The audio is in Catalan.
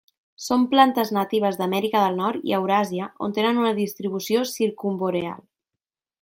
Són plantes natives d'Amèrica del Nord i Euràsia, on tenen una distribució circumboreal.